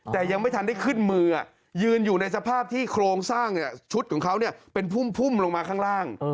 แต่ยังไม่ทันได้ขึ้นมือยืนอยู่ในสภาพที่โครงสร้างชุดของเขาเป็นพุ่มลงมาข้างล่าง